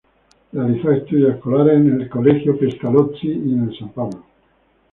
Realizó estudios escolares en el Colegio Pestalozzi y en el San Pablo.